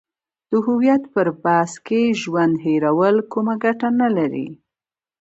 د هویت پر بحث کې ژوند هیرول کومه ګټه نه لري.